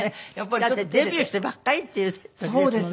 だってデビューしたばっかりっていう時ですもの。